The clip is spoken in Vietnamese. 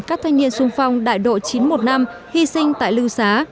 các thanh niên sung phong đại độ chín mươi một năm hy sinh tại lưu xá